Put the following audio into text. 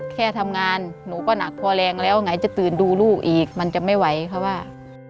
แค่ทำงานหนูก็หนักพอแรงแล้วไงจะตื่นดูลูกอีกมันจะไม่ไหวค่ะว่า